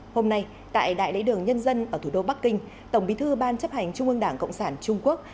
hôm nay tại đại lễ đường nhân dân ở thủ đô bắc kinh tổng bí thư ban chấp hành trung ương đảng cộng sản trung quốc